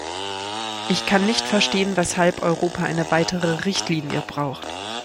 Ich kann nicht verstehen, weshalb Europa eine weitere Richtlinie braucht.